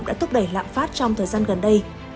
đã thúc đẩy lạm phát trong thời gian gần đây